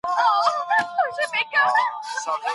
د کتاب کیفیت مخکې له اخيستلو و ارزوي.